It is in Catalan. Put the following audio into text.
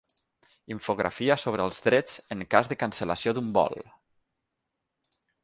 Infografia sobre els drets en cas de cancel·lació d'un vol.